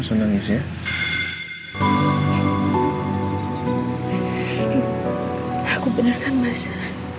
hai senangnya aku beneran masa